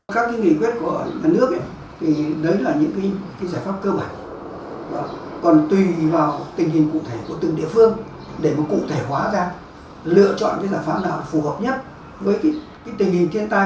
các nghị quyết của nước đấy là những giải pháp cơ bản